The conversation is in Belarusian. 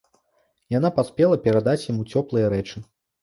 Яна паспела перадаць яму цёплыя рэчы.